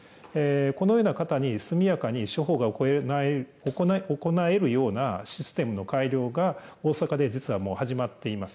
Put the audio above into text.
このような方に、速やかに処方が行えるようなシステムの改良が大阪で実は、もう始まっています。